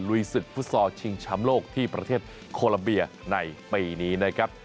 ลูยสุดฟุตสอชิงชำโลกที่ประเทศโคนบียะในปีนี้นะครับ